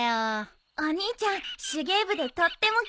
お兄ちゃん手芸部でとっても器用なんだ。